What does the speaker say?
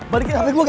balikin hape gue gak